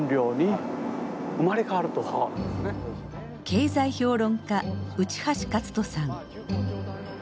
経済評論家内橋克人さん。